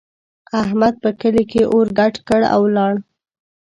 احمد په کلي کې اور ګډ کړ او ولاړ.